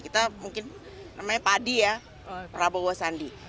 kita mungkin namanya padi ya prabowo sandi